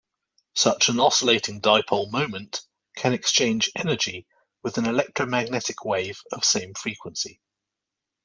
Such an oscillating dipole moment can exchange energy with an electromagnetic wave of same frequency.